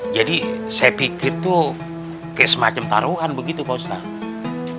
jadi saya pikir tuh kayak semacam taruhan begitu pak ustadz